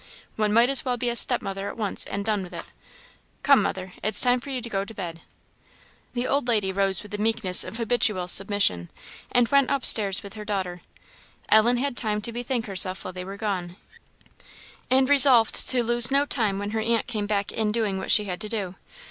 "One might as good be a step mother at once, and done with it! Come, mother, it's time for you to go to bed." The old lady rose with the meekness of habitual submission, and went up stairs with her daughter. Ellen had time to bethink herself while they were gone, and resolved to lose no time when her aunt came back in doing what she had to do.